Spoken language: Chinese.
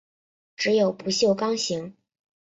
只有不锈钢型。